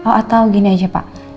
oh atau gini aja pak